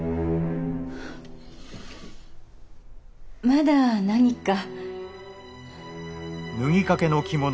まだ何か？